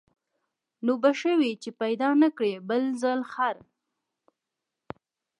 نو به ښه وي چي پیدا نه کړې بل ځل خر